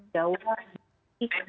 jawa bagian selatan